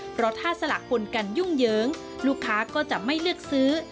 เพราะถ้าสละคนกันยุ่งเหยิงลูกค้าก็จะไม่เลือกซื้อ